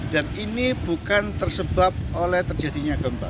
dan ini bukan tersebab oleh terjadinya gempa